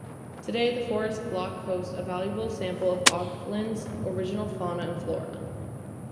Today the forest block hosts a valuable sample of Auckland's original fauna and flora.